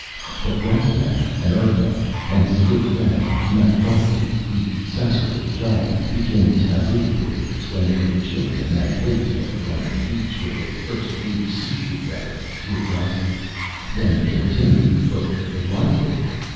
But Rastignac, an Earthman, and his good friend, Mapfarity, the Ssassaror Giant, became taboo breakers when they were children and played together on the beach where they first ate seafood out of curiosity, then continued because they liked it.